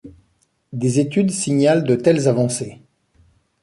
Des études signalent de telles avancées.